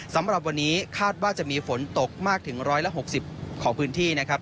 สำหรับวันนี้คาดว่าจะมีฝนตกมากถึง๑๖๐ของพื้นที่นะครับ